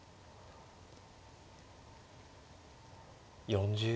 ４０秒。